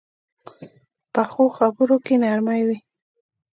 پخو خبرو کې نرمي وي